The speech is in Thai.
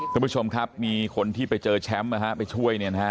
คุณผู้ชมครับมีคนที่ไปเจอแชมป์นะฮะไปช่วยเนี่ยนะฮะ